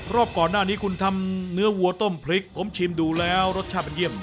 รอบก่อนหน้านี้คุณทำเนื้อวัวต้มพริกผมชิมดูแล้วรสชาติมันเยี่ยม